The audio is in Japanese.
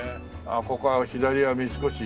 ここは左は三越。